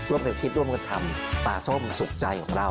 ร่วมทางคลิปร่วมกันทำปลาส้มสุดใจของเรา